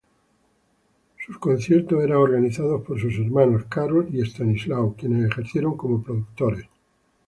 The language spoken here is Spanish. Sus conciertos eran organizados por sus hermanos Karol y Stanisław, quienes ejercieron como productores.